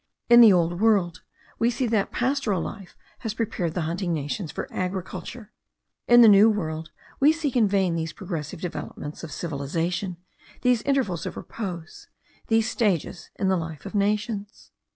In the old world we see that pastoral life has prepared the hunting nations for agriculture. In the New World we seek in vain these progressive developments of civilization, these intervals of repose, these stages in the life of nations.